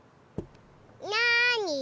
なに？